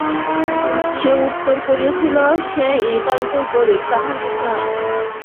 সে উত্তর করিয়াছিল, সে নিতান্তই গরিব, তাহার কিছু নাই।